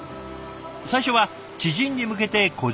最初は知人に向けて個人販売を。